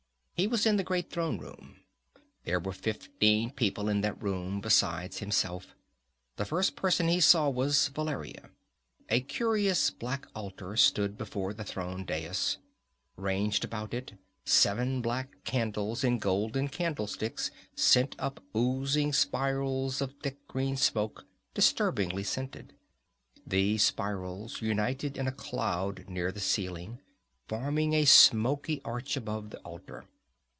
He was in the great throne room. There were fifteen people in that room besides himself. The first person he saw was Valeria. A curious black altar stood before the throne dais. Ranged about it, seven black candles in golden candlesticks sent up oozing spirals of thick green smoke, disturbingly scented. These spirals united in a cloud near the ceiling, forming a smoky arch above the altar.